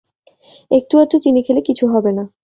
একটু-আধটু চিনি খেলে কিছু হবে না।